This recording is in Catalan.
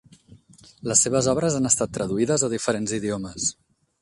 Les seves obres han estat traduïdes a diferents idiomes.